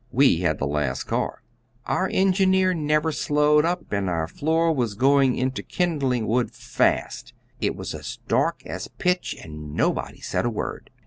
We had the last car. "Our engineer never slowed up, and our floor was going into kindling wood fast. It was as dark as pitch, and nobody said a word.